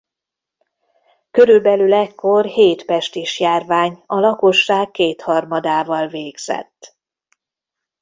Körülbelül ekkor hét pestisjárvány a lakosság kétharmadával végzett.